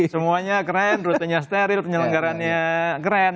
semuanya keren rutenya steril penyelenggarannya keren